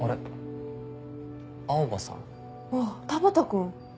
あっ田畑君。